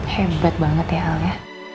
hebat banget ya halnya